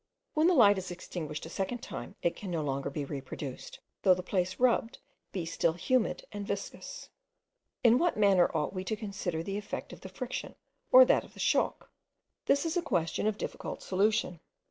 When the light is extinguished a second time, it can no longer be reproduced, though the place rubbed be still humid and viscous. In what manner ought we to consider the effect of the friction, or that of the shock? This is a question of difficult solution.